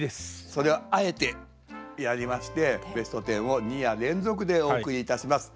それをあえてやりましてベスト１０を２夜連続でお送りいたします。